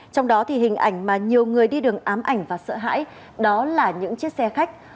trong đó thì hình ảnh mà nhiều người đi đường ám ảnh và sợ hãi đó là những chiếc xe khách